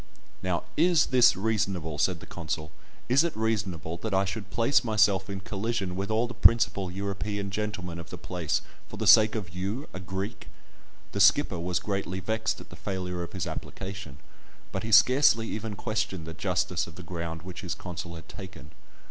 "Now, is this reasonable?" said the consul; "is it reasonable that I should place myself in collision with all the principal European gentlemen of the place for the sake of you, a Greek?" The skipper was greatly vexed at the failure of his application, but he scarcely even questioned the justice of the ground which his consul had taken.